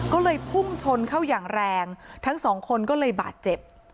ก็เลยพุ่งชนเข้าอย่างแรงทั้งสองคนก็เลยบาดเจ็บ